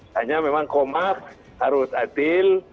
hanya memang komar harus adil